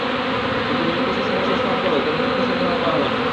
কিন্তু নির্দিষ্ট সময় শেষ হওয়ার পরেও কোনো তথ্য সরবরাহ করা হয়নি।